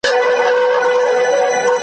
رښتیا د باور سبب کېږي.